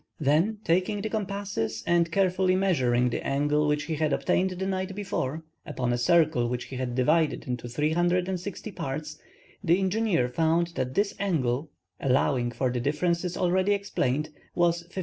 Then taking the compasses, and carefully measuring the angle which he had obtained the night before, upon a circle which he had divided into 360 parts, the engineer found that this angle, allowing for the differences already explained, was 53°.